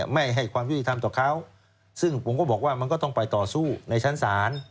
ไม่ให้ความยุติธรรมต่อเขาซึ่งผมก็บอกว่ามันก็ต้องไปต่อสู้ในชั้นศาล